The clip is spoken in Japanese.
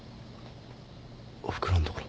おふくろんところ。